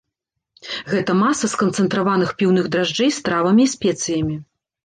Гэта маса з канцэнтраваных піўных дражджэй з травамі і спецыямі.